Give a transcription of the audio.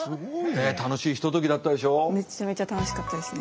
ねえ楽しいひとときだったでしょ？